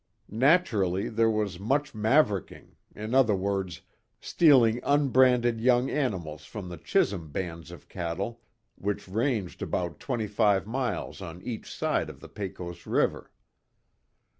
Naturally there was much mavericking, in other words, stealing unbranded young animals from the Chisum bands of cattle, which ranged about twenty five miles on each side of the Pecos river.